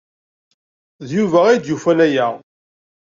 D Yuba ay d-yufan aya.